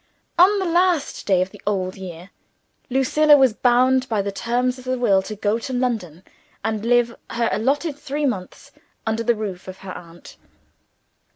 On the last day of the old year, Lucilla was bound by the terms of the will to go to London, and live her allotted three months under the roof of her aunt.